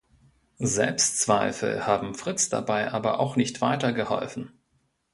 Selbstzweifel haben Fritz dabei aber auch nicht weitergeholfen.